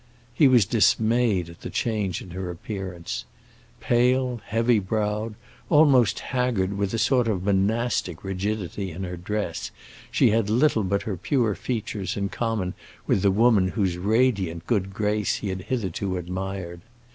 He was dismayed at the change in her appearance. Pale, heavy browed, almost haggard with a sort of monastic rigidity in her dress, she had little but her pure features in common with the woman whose radiant good grace he had hitherto admired.